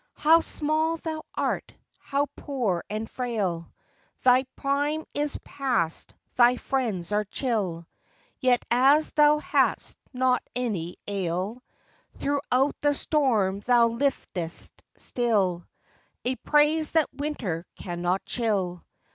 How small thou art ; how poor and frail ; Thy prime is past ; thy friends are chill; Yet as thou had'st not any ail Throughout the storm thou liftest still A praise that winter cannot chill.